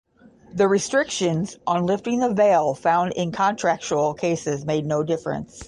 The restrictions on lifting the veil, found in contractual cases made no difference.